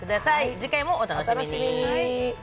次回もお楽しみに！